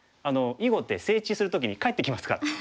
囲碁って整地する時に返ってきますから。